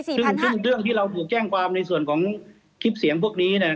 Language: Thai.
ซึ่งเรื่องที่เราถูกแจ้งความในส่วนของคลิปเสียงพวกนี้